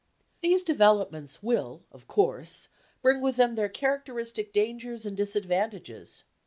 These developments will, of course, bring with them their characteristic dangers and disadvantages.